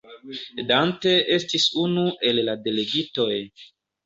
Dante estis unu el la delegitoj.